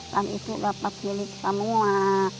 kan itu dapat milik semua